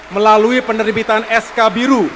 melalui penerbitan sk biru